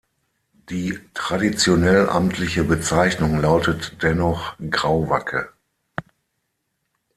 Die traditionell amtliche Bezeichnung lautet dennoch Grauwacke.